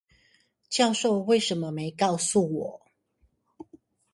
教授為什麼沒告訴我